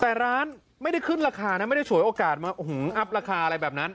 แต่ร้านไม่ได้ขึ้นราคานะไม่ได้ฉวยโอกาสมาอัพราคาอะไรแบบนั้น